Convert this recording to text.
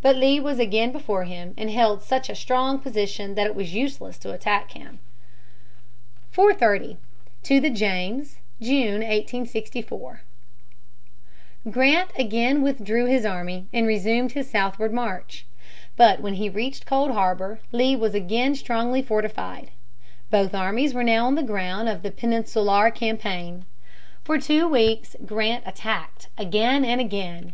But Lee was again before him and held such a strong position that it was useless to attack him. [Sidenote: Cold Harbor.] [Sidenote: Blockade of Petersburg.] 430. To the James, June, 1864. Grant again withdrew his army and resumed his southward march. But when he reached Cold Harbor, Lee was again strongly fortified. Both armies were now on the ground of the Peninsular Campaign. For two weeks Grant attacked again and again.